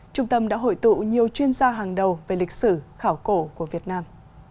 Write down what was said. trung tâm đã hội tụ nhiều chuyên gia hàng đầu về lịch sử khảo cổ của việt nam